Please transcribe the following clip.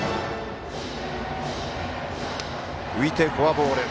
浮いて、フォアボール。